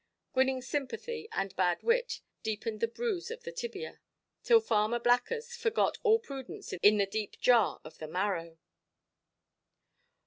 Grinning sympathy and bad wit deepened the bruise of the tibia, till Farmer Blackers forgot all prudence in the deep jar of the marrow.